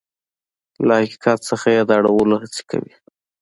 له حقیقت نه يې د اړولو هڅې کوي.